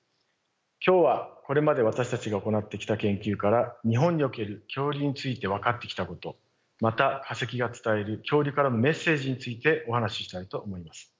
今日はこれまで私たちが行ってきた研究から日本における恐竜について分かってきたことまた化石が伝える恐竜からのメッセージについてお話ししたいと思います。